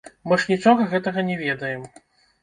Мы ж нічога гэтага не ведаем.